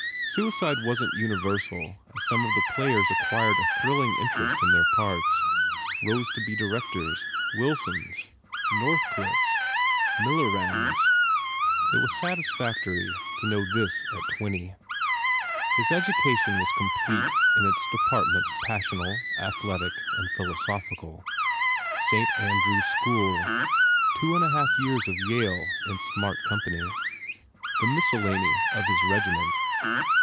Suicide wasn t universal as some of the players acquired a thrilling interest in their parts, rose to be directors Wilsons, Northcliffes, Millerands. It was satisfactory to know this at twenty. His education was complete in its departments passional, athletic and phil osophical. Saint Andrew s school. Two and a half years of Yale in smart company. The mis cellany of his regiment.